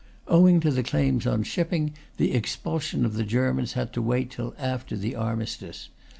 Owing to the claims on shipping, the expulsion of the Germans had to wait till after the Armistice.